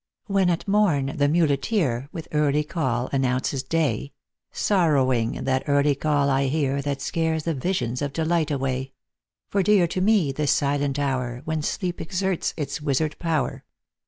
When at morn the muleteer, With early call announces day, Sorrowing that early call I hear That scares the visions of delight away ; For dear to me the silent hour, When sleep exerts its wizard power.